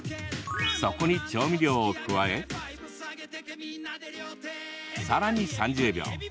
そこに、調味料を加えさらに３０秒。